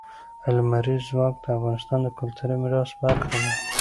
لمریز ځواک د افغانستان د کلتوري میراث برخه ده.